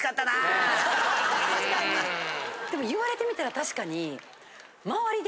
でも言われてみたら確かに周りで。